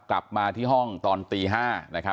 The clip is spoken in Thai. กลับมาที่ห้องตอนตี๕